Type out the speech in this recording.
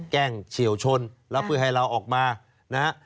แกล้งเฉียวชนแล้วเพื่อให้เราออกมานะฮะ